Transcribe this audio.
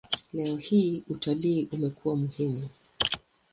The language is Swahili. Leo hii utalii umekuwa muhimu.